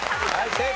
正解。